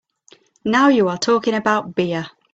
Now you are talking about beer!